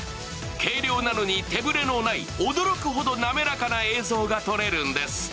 軽量なのに手ブレのない驚くほどなめらかな映像が撮れるんです。